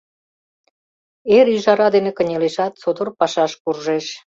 Эр ӱжара дене кынелешат, содор пашаш куржеш.